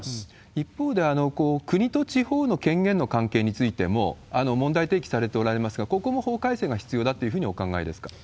一方で、国と地方の権限の関係についても問題提起されておられますが、ここも法改正が必要だというふうにお考えですか？